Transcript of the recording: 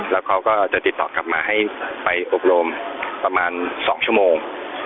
แล้วเขาก็จะติดต่อกลับมาให้ไปอบรมประมาณ๒ชั่วโมง